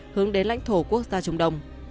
hướng đến lãnh thổ quốc gia trung đông